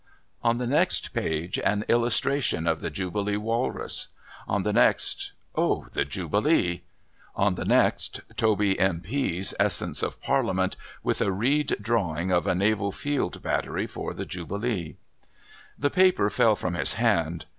On the next page an illustration of the Jubilee Walrus. On the next "Oh, the Jubilee!" On the next, Toby M.P.'s "Essence of Parliament," with a "Reed" drawing of "A Naval Field Battery for the Jubilee." The paper fell from his hand.